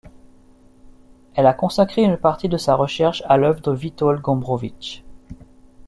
Elle a consacré une partie de sa recherche à l'œuvre de Witold Gombrowicz.